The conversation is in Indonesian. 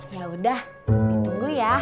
ya udah ditunggu ya